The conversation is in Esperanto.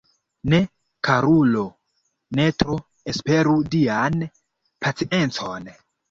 Ne, karulo, ne tro esperu Dian paciencon!